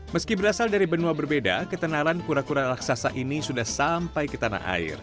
meski berasal dari benua berbeda ketenaran kura kura raksasa ini sudah sampai ke tanah air